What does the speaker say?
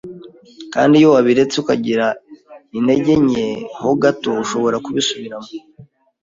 Kandi iyo wabiretse ukagira integenke ho gato ushobora kubisubiramo